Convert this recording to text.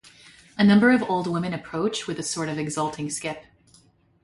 A number of old women approach with a sort of exulting skip.